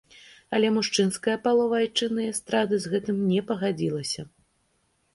Але мужчынская палова айчыннай эстрады з гэтым не пагадзілася.